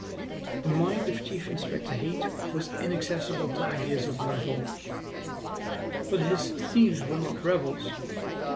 The mind of Chief Inspector Heat was inaccessible to ideas of revolt. But his thieves were not rebels.